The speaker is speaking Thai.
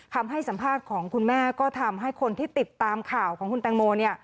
คำให้สัมภาษณ์ของคุณแม่ก็ทำให้คนที่ติดตามข่าวของคุณแตงโม